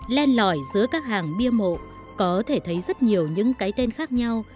lên lõi giữa các hàng bia mộ có thể thấy rất nhiều những cái tên khác nhau